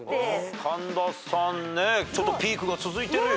神田さんねピークが続いてるよ。